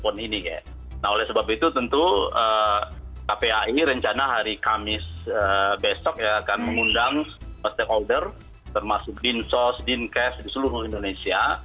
nah oleh sebab itu tentu kpai rencana hari kamis besok akan mengundang stakeholder termasuk din sos din kes di seluruh indonesia